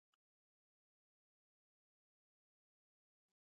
غول د سودي خوړو مخالف دی.